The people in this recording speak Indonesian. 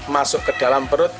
masuk ke dalam perut